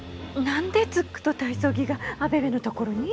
何でズックと体操着がアベベの所に？